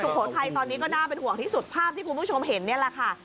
โขทัยตอนนี้ก็น่าเป็นห่วงที่สุดภาพที่คุณผู้ชมเห็นนี่แหละค่ะ